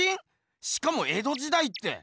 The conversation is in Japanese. しかも江戸時代って。